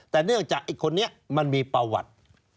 แต่เนื่องจากไอ้คนนี้มันมีประวัติ